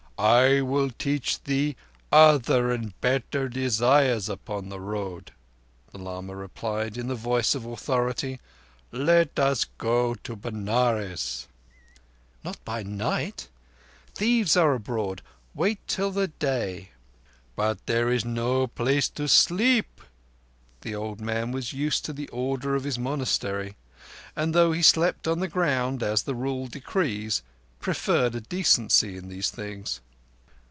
"I will teach thee other and better desires upon the road," the lama replied in the voice of authority. "Let us go to Benares." "Not by night. Thieves are abroad. Wait till the day." "But there is no place to sleep." The old man was used to the order of his monastery, and though he slept on the ground, as the Rule decrees, preferred a decency in these things.